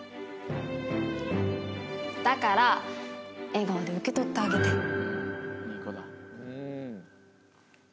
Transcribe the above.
だから笑顔で受け取ってあげて。